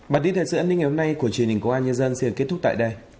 bản tin thời sự an ninh ngày hôm nay của truyền hình công an nhân dân xin được kết thúc tại đây